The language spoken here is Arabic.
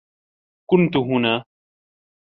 كنت هنا.